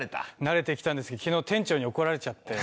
慣れてきたんですけど昨日店長に怒られちゃって。